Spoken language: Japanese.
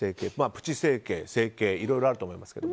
プチ整形、整形いろいろあると思いますけど。